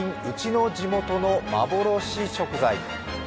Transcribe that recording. ウチの地元の“幻”食材」。